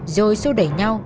rồi xô đẩy nhau